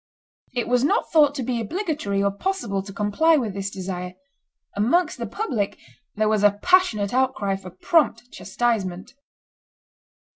It was not thought to be obligatory or possible to comply with this desire; amongst the public there was a passionate outcry for prompt chastisement.